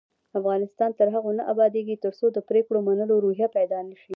افغانستان تر هغو نه ابادیږي، ترڅو د پریکړو د منلو روحیه پیدا نشي.